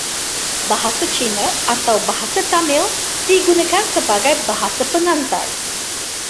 Bahasa Cina atau Bahasa Tamil digunakan sebagai bahasa pengantar.